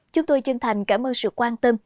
chúng tôi chân thành cảm ơn sự quan tâm